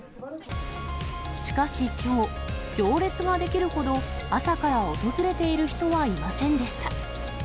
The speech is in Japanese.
しかしきょう、行列が出来るほど朝から訪れている人はいませんでした。